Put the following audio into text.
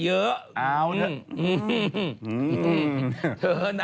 เจ้านายเยอะ